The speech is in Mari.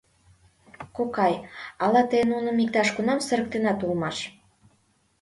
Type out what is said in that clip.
— Кокай, ала тый нуным иктаж-кунам сырыктенат улмаш?